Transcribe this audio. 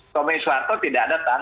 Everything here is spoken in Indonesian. tommy suharto tidak datang